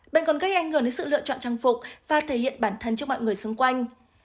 bệnh còn gây ảnh hưởng đến sự lựa chọn trang phục và thể hiện bản thân trước mọi người xung quanh